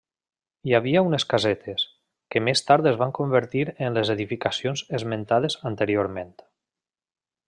Hi havia unes casetes, que més tard es van convertir en les edificacions esmentades anteriorment.